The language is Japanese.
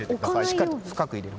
しっかりと深く入れる。